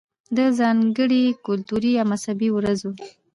ده ځانګړې کلتوري يا مذهبي ورځو